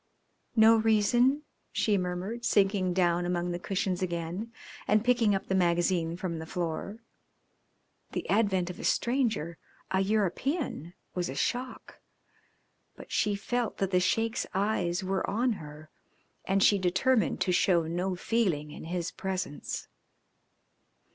"No reason," she murmured, sinking down among the cushions again and picking up the magazine from the floor. The advent of a stranger a European was a shock, but she felt that the Sheik's eyes were on her and she determined to show no feeling in his presence.